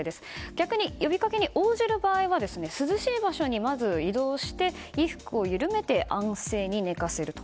逆に呼び掛けに応じる場合は涼しい場所にまず移動して衣服を緩めて安静に寝かせると。